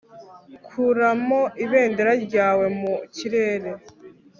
kuramo ibendera ryawe mu kirere